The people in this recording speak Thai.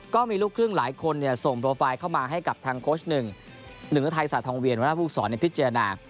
ก็มีลูกครึ่งหลายคนส่งโปรไฟล์เข้ามาให้กับทางโค้ชหนึ่งหนึ่งฤทัยศาสตองเวียนหัวหน้าภูมิสอนในพิจารณา